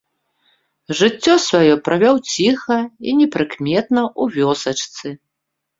Жыццё сваю правёў ціха і непрыкметна ў вёсачцы.